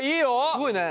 すごいね。